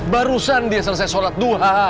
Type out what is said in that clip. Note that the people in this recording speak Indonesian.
barusan dia selesai sholat duha